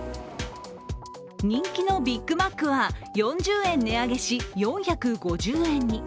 人気のビッグマックは４０円値上げし、４５０円に。